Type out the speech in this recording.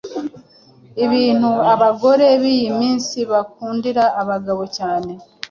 Ibintu abagore b’iyi minsi bakundira abagabo cyane